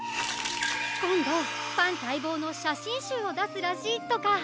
こんどファンたいぼうのしゃしんしゅうをだすらしいとか。